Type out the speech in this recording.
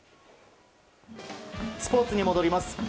スポーツに戻ります。